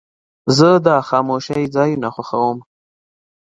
زه د خاموشۍ ځایونه خوښوم.